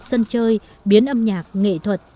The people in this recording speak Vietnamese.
sân chơi biến âm nhạc nghệ thuật